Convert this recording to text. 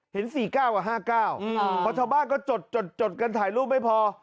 เห็น๔เก้าหรอ๕เก้าเพราะชาวบ้านก็จดกันถ่ายรูปไม่พอนะครับ